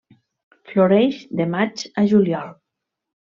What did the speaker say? Floreix de maig al juliol.